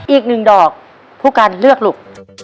อีก๑ดอกผู้กันเลือกลูก